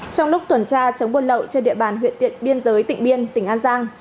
trong lúc tuần tra chống buôn lậu trên địa bàn huyện tiện biên giới tỉnh biên tỉnh an giang